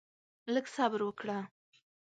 لږ صبر وکړه؛